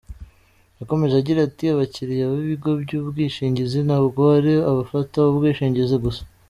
Yakomeje agira ati “Abakiliya b’ibigo by’ubwishingizi ntabwo ari abafata ubwishingizi gusa.